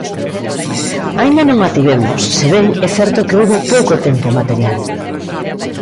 Aínda non a tivemos, se ben é certo que houbo pouco tempo material.